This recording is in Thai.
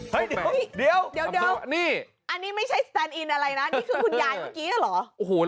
เฮ้ยเดี๋ยวนี่อันนี้ไม่ใช่สแตนอินอะไรนะนี่คือคุณยายเมื่อกี้เหรอ